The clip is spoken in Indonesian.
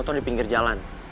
selalu mengatasi kalian